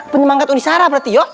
penyemangat unisara berarti ya